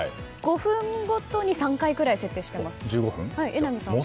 ５分ごとに３回くらい設定しています。